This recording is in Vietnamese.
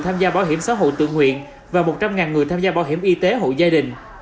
tham gia bảo hiểm xã hội tự nguyện và một trăm linh người tham gia bảo hiểm y tế hộ gia đình